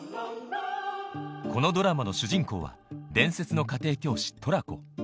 このドラマの主人公は伝説の家庭教師トラコ